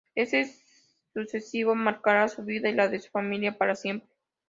Este suceso marcará su vida y la de su familia para siempre.